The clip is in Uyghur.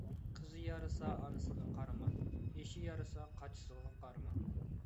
قىزى يارىسا ئانىسىغا قارىما، ئېشى يارىسا قاچىسىغا قارىما.